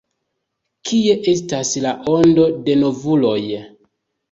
Kie estas la ondo de novuloj?